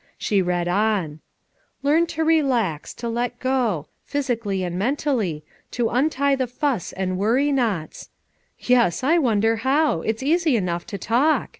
She read on: " 'Learn to relax, to let go— physically and mentally — to untie the fuss and worry knots.' Yes, I wonder how? it's easy enough to talk!"